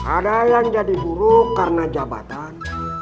ada yang jadi buruk karena jabatan